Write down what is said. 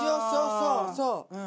そうそう。